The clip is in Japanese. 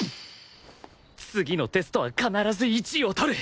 次のテストは必ず１位を取る！